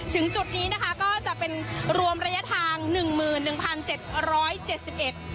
จุดนี้นะคะก็จะเป็นรวมระยะทางหนึ่งหมื่นหนึ่งพันเจ็ดร้อยเจ็ดสิบเอ็ด